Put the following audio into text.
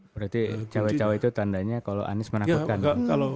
berarti cabai cabai itu tandanya kalau anies menakutkan